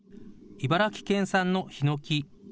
茨城県産のヒノキ。